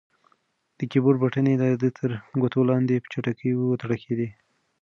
د کیبورډ بټنې د ده تر ګوتو لاندې په چټکۍ وتړکېدې.